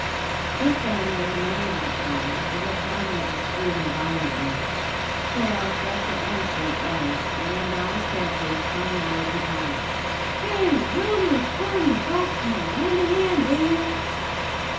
Just then there was a noise outside, as if men were disputing violently. Dale guessed at once what it was, and ran down the staircase, calling out as he passed: "Here, Willders, Corney, Baxmore, lend a hand, will you?"